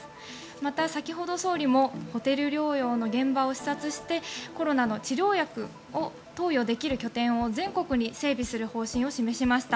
また、先ほど総理もホテル療養の現場を視察して、コロナの治療薬を投与できる拠点を全国に整備する方針を示しました。